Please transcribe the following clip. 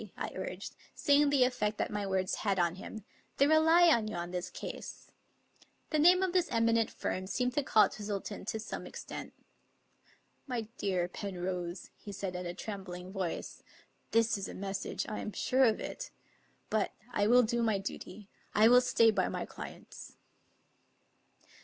"* I urged, seeing the effect that my words had on him " They rely on you in this case," The name of this eminent firm seemed to calm Twistle ton to some extent. " My dear Penrose," he said in a trembling voice, " this, is a message; I am sure of it. But I will do my duty; I will stay by my clients."